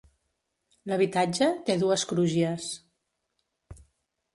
L’habitatge té dues crugies.